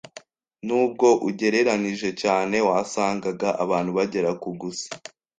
Nubwo ugereranije cyane, wasangaga abantu bagera ku gusa